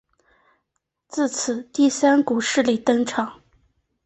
自此第三股势力登场。